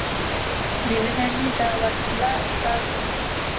نېمىلەرنى دەۋاتىدىلا، ئۇستازىم.